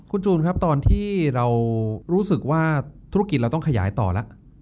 คุณจูนครับตอนที่เรารู้สึกว่าธุรกิจเราต้องขยายต่อแล้ว